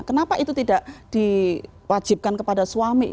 kenapa itu tidak diwajibkan kepada suami